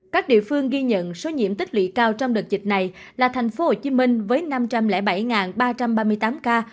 các địa phương ghi nhận số nhiễm tích lụy cao trong đợt dịch này là tp hcm với năm trăm linh bảy ba trăm ba mươi tám ca